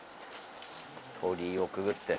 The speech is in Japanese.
鳥居をくぐって。